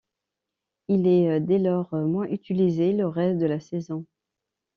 Il est dès lors moins utilisé le reste de la saison.